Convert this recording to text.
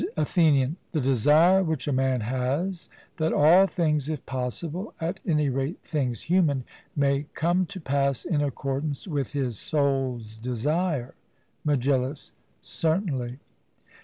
ATHENIAN: The desire which a man has, that all things, if possible, at any rate, things human, may come to pass in accordance with his soul's desire. MEGILLUS: Certainly.